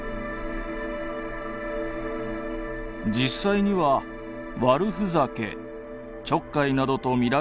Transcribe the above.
実際には「悪ふざけ」「ちょっかい」などとみられる行為であった。